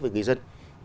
với người dân